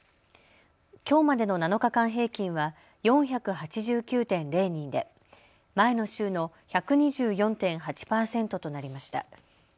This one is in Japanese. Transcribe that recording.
きょうまでの７日間平均は４８９．０人で前の週の１２４．８％となりました。